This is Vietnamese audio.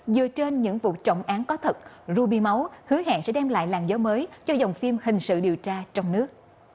dựa trên những vụ trọng án có thật ruby máu hứa hẹn sẽ đem lại làn gió mới cho dòng phim hình sự điều tra trong nước